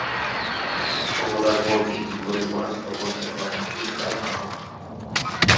অবলার বলকে কী করে পরাস্ত করতে হয় এই তার ভাবনা।